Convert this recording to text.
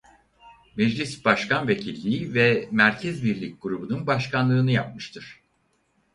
Meclis Başkanvekilliği ve Merkez Birlik grubunun başkanlığını yapmıştır.